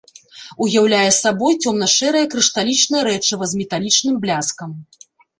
Уяўляе сабой цёмна-шэрае крышталічнае рэчыва з металічным бляскам.